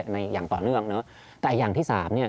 ในอย่างต่อเนื่องแต่อย่างที่๓